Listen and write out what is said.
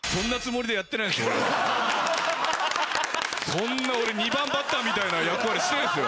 そんな俺２番バッターみたいな役割してないっすよ。